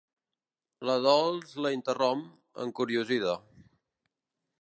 La Dols la interromp, encuriosida.